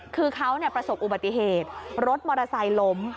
คือเขาประสบอุบัติเหตุรถมอเตอร์ไซค์ล้ม